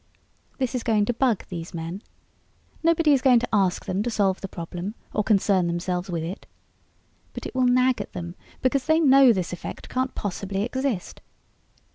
This is going to bug these men. Nobody is going to ask them to solve the problem or concern themselves with it. But it will nag at them because they know this effect can't possibly exist.